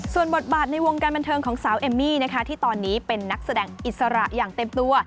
ส่วนบทบาทในวงการบันเทิงของสาวเอมมี่นะคะที่ตอนนี้เป็นนักแสดงอิสระอย่างเต็มตัว